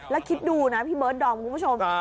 แล้วคิดดูนะพี่เมิ๊ฏร์ดองมั่งใหม่คุณผู้ชม